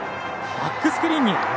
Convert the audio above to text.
バックスクリーンに。